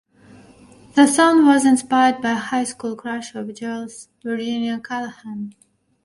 The song was inspired by a high school crush of Joel's, Virginia Callahan.